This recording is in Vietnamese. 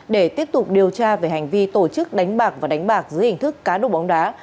để tiếp tục điều tra về hành vi tổ chức đánh bạc và đánh bạc dưới hình thức cá độ bóng đá